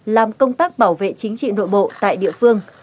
làm công tác bảo vệ chính trị nội bộ tại địa phương